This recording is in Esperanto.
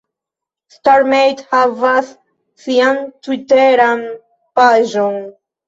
Startmate havas sian Tviteran paĝon